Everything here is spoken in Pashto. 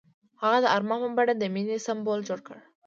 هغه د آرمان په بڼه د مینې سمبول جوړ کړ.